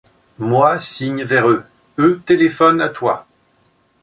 Moi signe vers eux, eux téléphonent à toi.